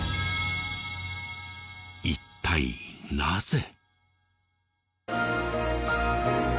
一体なぜ？